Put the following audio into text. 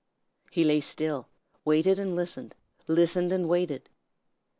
He lay still; waited and listened, listened and waited.